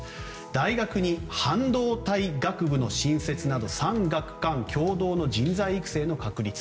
大学に半導体学部の新設など産学官共同の人材育成の確立。